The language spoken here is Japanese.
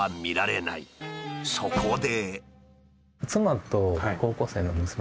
そこで。